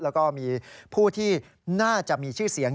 แล้วก็มีผู้ที่น่าจะมีชื่อเสียง